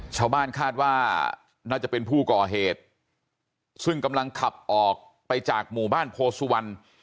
ชาวบ้านคาดว่าน่าจะเป็นผู้ก่อเหตุซึ่งกำลังขับออกไปจากหมู่บ้านโพสุวรรณ